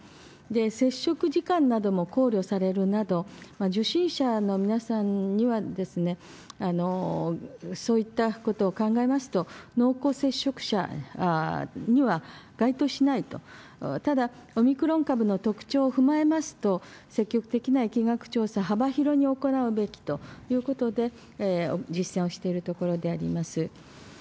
接触時間なども考慮されるなど、受診者の皆さんには、そういったことを考えますと、濃厚接触者には該当しないと、ただ、オミクロン株の特徴を踏まえますと、積極的な疫学調査、幅広に行うべきということで、実践をしているところであります。